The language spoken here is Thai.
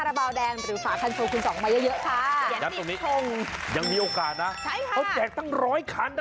ร้านแรกจะออกแล้วจ้า